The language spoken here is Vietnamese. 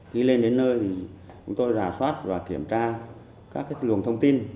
khi lên đến nơi thì chúng tôi rà soát và kiểm tra các luồng thông tin